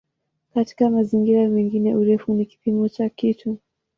Katika mazingira mengine "urefu" ni kipimo cha kitu.